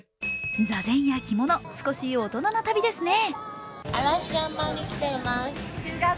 座禅や着物、少し大人な旅ですね。